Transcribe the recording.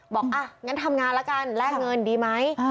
บอกอ่ะงั้นทำงานแล้วกันแลกเงินดีไหม